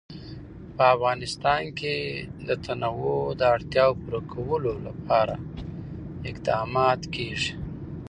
په افغانستان کې د تنوع د اړتیاوو پوره کولو لپاره اقدامات کېږي.